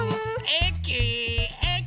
えきえき。